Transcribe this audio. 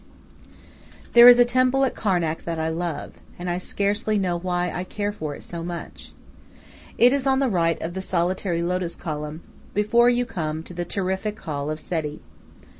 There is a temple at Karnak that I love, and I scarcely know why I care for it so much. It is on the right of the solitary lotus column before you come to the terrific hall of Seti.